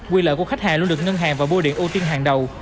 quyền lợi của khách hàng luôn được ngân hàng và bô điện ưu tiên hàng đầu